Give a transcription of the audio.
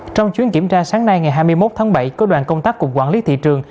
trong chuyến kiểm tra sáng nay ngày hai mươi một tháng bảy có đoàn công tác cục quản lý thị trường